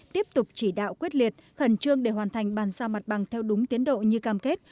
tiếp tục chỉ đạo quyết liệt khẩn trương để hoàn thành bàn giao mặt bằng theo đúng tiến độ như cam kết